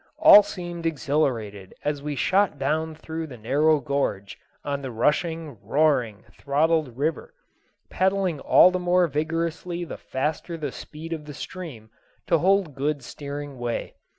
All seemed exhilarated as we shot down through the narrow gorge on the rushing, roaring, throttled river, paddling all the more vigorously the faster the speed of the stream, to hold good steering way.